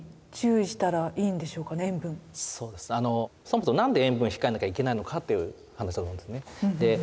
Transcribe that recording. そもそも何で塩分控えなきゃいけないのかっていう話だと思うんですね。